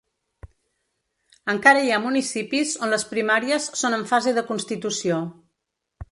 Encara hi ha municipis on les primàries són en fase de constitució.